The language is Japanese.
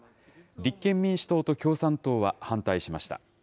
立憲民主党と共産党は反対しました。